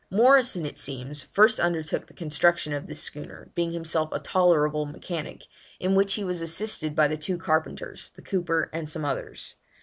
Morrison, it seems, first undertook the construction of this schooner, being himself a tolerable mechanic, in which he was assisted by the two carpenters, the cooper, and some others.